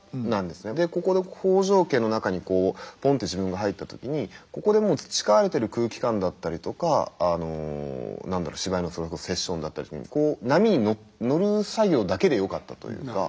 ここで北条家の中にぽんって自分が入った時にここでもう培われてる空気感だったりとか何だろう芝居のそれこそセッションだったり波に乗る作業だけでよかったというか。